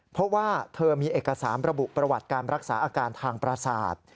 เพราะว่าเธอมีเอกสารระบุประวัติการรักษาอาการทางประสาท